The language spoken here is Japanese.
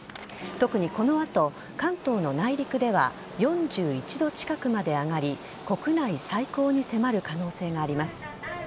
特にこの後、関東の内陸では４１度近くまで上がり国内最高に迫る可能性があります。